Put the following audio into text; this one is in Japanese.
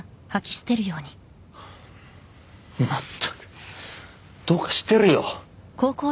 まったくどうかしてるよ